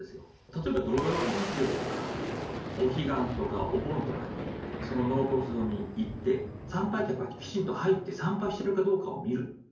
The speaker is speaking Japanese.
例えば土曜日、日曜日とかお彼岸とか、お盆とかに納骨堂に行って参拝客がきちんと入って参拝してるかどうかを見る。